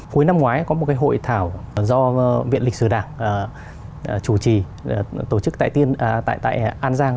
cuối năm ngoái có một hội thảo do viện lịch sử đảng chủ trì tổ chức tại an giang